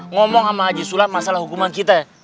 ngomong sama haji sulam masalah hukuman kita